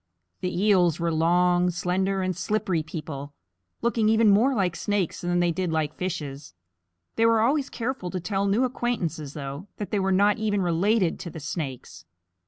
The Eels were long, slender, and slippery people, looking even more like snakes than they did like fishes. They were always careful to tell new acquaintances, though, that they were not even related to the snakes.